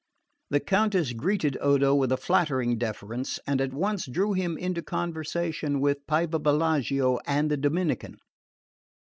The Countess greeted Odo with a flattering deference and at once drew him into conversation with Pievepelago and the Dominican.